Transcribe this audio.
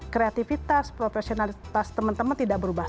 kreativitas profesionalitas teman teman tidak berubah